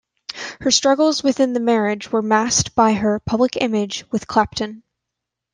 Her struggles within the marriage were masked by her public image with Clapton.